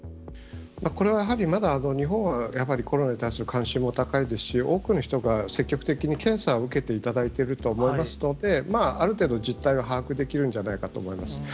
これはやはり、まだ日本はやはりコロナに対する関心も高いですし、多くの人が積極的に検査を受けていただいていると思いますので、ある程度、実態は把握できるんじゃないかと思います。